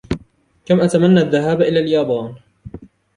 كَم أتمنّى الذهاب إلى اليابان.